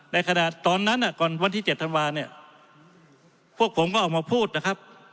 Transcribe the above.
ในขณะตอนนั้นก่อนวันที่๗ธันวาเนี่ยพวกผมก็ออกมาพูดนะครับ